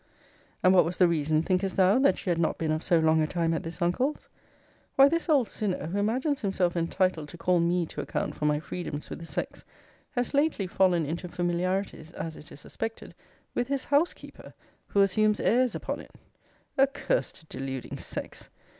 And what was the reason, thinkest thou, that she had not been of so long a time at this uncle's? Why, this old sinner, who imagines himself entitled to call me to account for my freedoms with the sex, has lately fallen into familiarities, as it is suspected, with his housekeeper; who assumes airs upon it. A cursed deluding sex!